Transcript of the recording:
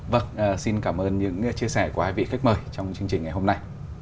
vâng xin cảm ơn những chia sẻ của hai vị khách mời trong chương trình ngày hôm nay